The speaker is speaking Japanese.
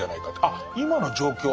「あ今の状況